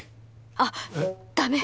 あっだめ！